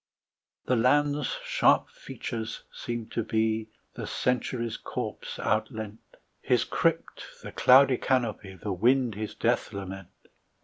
The land's sharp features seemed to me The Century's corpse outleant, Its crypt the cloudy canopy, The wind its death lament.